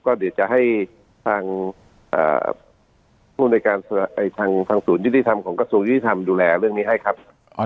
ก็เดี๋ยวจะให้ทางผู้ในการทางศูนยุติธรรมของกระทรวงยุติธรรมดูแลเรื่องนี้ให้ครับ